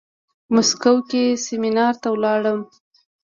مسکو کې سيمينار ته لاړم.